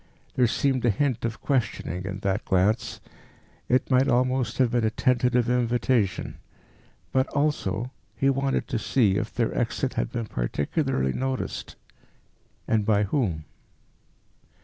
There seemed a hint of questioning in that glance; it might almost have been a tentative invitation. But, also, he wanted to see if their exit had been particularly noticed and by whom.